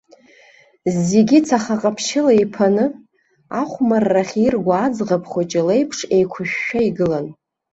Зегьы цаха ҟаԥшьыла иԥаны, ахәмаррахь ирго аӡӷаб хәыҷы леиԥш еиқәышәшәа игылан.